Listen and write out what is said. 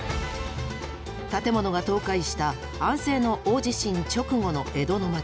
建物が倒壊した安政の大地震直後の江戸の街。